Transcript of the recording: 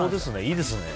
いいですね。